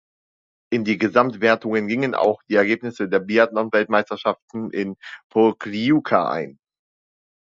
In die Gesamtwertungen gingen auch die Ergebnisse der Biathlon-Weltmeisterschaften in Pokljuka ein.